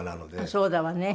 そうだわね。